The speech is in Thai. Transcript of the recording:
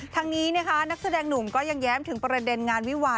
ทั้งนี้นะคะนักแสดงหนุ่มก็ยังแย้มถึงประเด็นงานวิวา